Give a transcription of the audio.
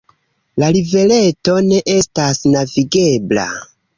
La rivereto ne estas navigebla.